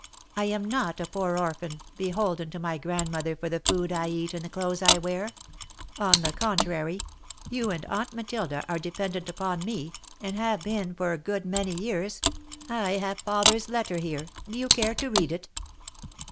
I am not a poor orphan, beholden to my grandmother for the food I eat and the clothes I wear. On the contrary, you and Aunt Matilda are dependent upon me, and have been for a good many years. I have father's letter here. Do you care to read it?"